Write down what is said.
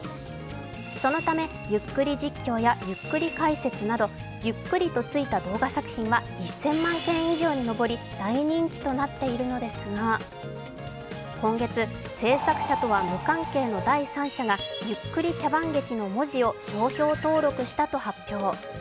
そのため、ゆっくり実況やゆっくり解説など、「ゆっくり」とついた動画作品は１０００万以上に上り、大人気となっているのですが今月、制作者とは無関係の第三者が「ゆっくり茶番劇」の文字を商標登録したと発表。